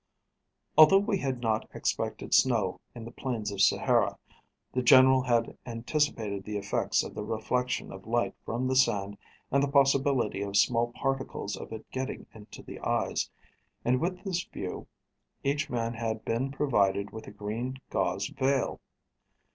Although we had not expected snow in the plains of Sahara, the general had anticipated the effects of the reflection of light from the sand, and the possibility of small particles of it getting into the eyes; and with this view each man had been provided with a green gauze veil.